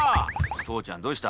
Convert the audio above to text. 父ちゃんどうした？